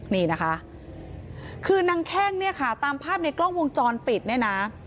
นี่นะคะคือนางแข้งเนี่ยค่ะตามภาพในกล้องวงจรปิดเนี่ยนะ